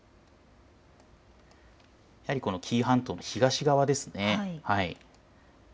やはりこの紀伊半島、東側ですね。